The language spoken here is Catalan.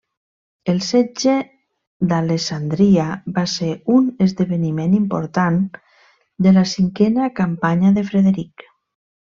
El setge d'Alessandria va ser un esdeveniment important de la cinquena campanya de Frederic.